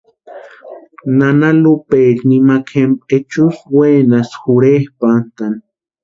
Nana Lupaeri nimakwa jempa echutʼa wenasïnti jorhepʼantani.